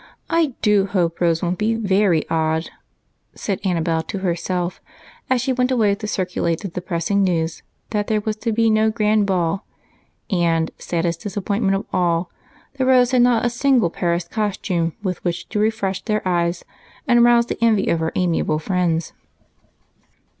I do hope Rose won't be very odd," said Annabel to herself as she went away to circulate the depressing news that there was to be no grand ball and, saddest disappointment of all, that Rose had not a single Paris costume with which to refresh the eyes and rouse the envy of her amiable friends.